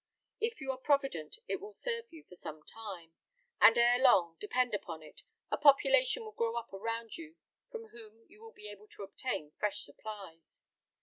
If you are provident it will serve you for some time; and ere long, depend upon it, a population will grow up around you from whom you will be able to obtain fresh supplies.